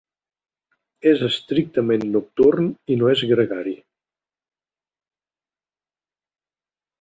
És estrictament nocturn i no és gregari.